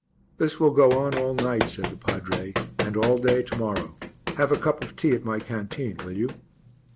"This will go on all night," said the padre, "and all day to morrow. Have a cup of tea at my canteen, will you?"